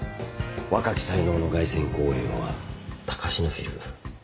若き才能の凱旋公演は高階フィル。